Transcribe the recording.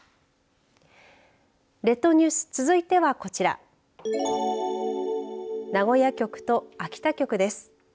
列島ニュース、続いてはこちら名古屋局と秋田局です。